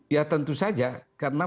ya tentu saja karena